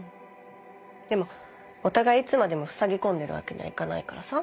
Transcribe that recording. でもお互いいつまでもふさぎ込んでるわけにはいかないからさ。